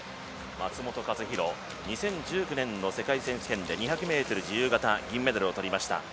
松元克央、２０１９年の世界選手権で２００ｍ自由形銀メダルをとりました。